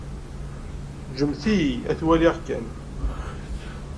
Ǧǧemt-iyi ad t-waliɣ kan.